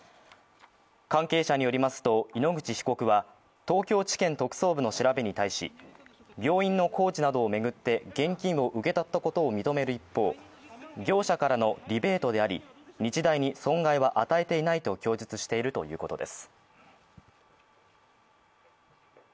関係者によりますと、井ノ口被告は東京地裁特捜部の調べに対し病院の工事などを巡って現金を受け取ったことを認める一方、業者からのリベートであり、日大に損害は与えていないと供述しているということです。